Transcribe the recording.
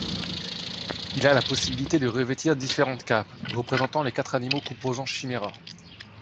Il a la possibilité de revêtir différentes capes représentant les quatre animaux composants Chimera.